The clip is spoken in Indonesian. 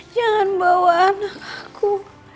jangan bawa anak aku